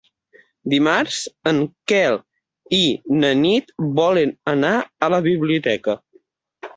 Dimarts en Quel i na Nit volen anar a la biblioteca.